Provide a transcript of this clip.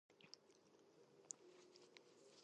夕方になりました。